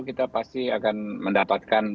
kita pasti akan mendapatkan